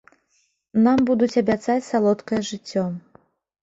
Нам будуць абяцаць салодкае жыццё.